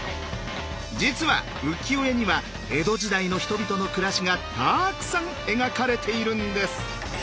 実は浮世絵には江戸時代の人々の暮らしがたくさん描かれているんです。